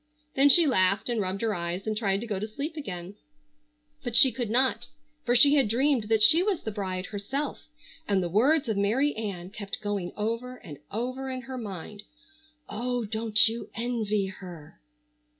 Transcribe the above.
Then she laughed and rubbed her eyes and tried to go to sleep again; but she could not, for she had dreamed that she was the bride herself, and the words of Mary Ann kept going over and over in her mind. "Oh, don't you envy her?"